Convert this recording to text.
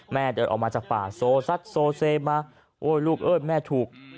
เดินออกมาจากป่าโซซัดโซเซมาโอ้ยลูกเอ้ยแม่ถูก